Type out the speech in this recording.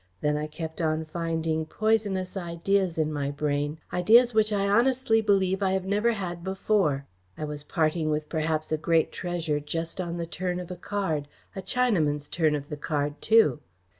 Then I kept on finding poisonous ideas in my brain ideas which I honestly believe I have never had before. I was parting with perhaps a great treasure just on the turn of a card a Chinaman's turn of the card, too."